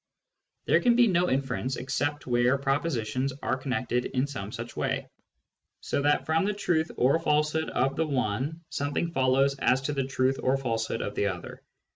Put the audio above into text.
There can be no inference except where propositions are connected in some such way, so that from the truth or falsehood of the one something follows as to the truth or falsehood of the other.